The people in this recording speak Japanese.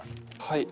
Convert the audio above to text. はい。